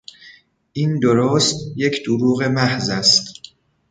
این درست یک دروغ محض است!